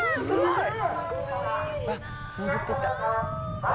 すごーい。